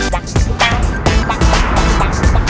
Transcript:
สวัสดีครับ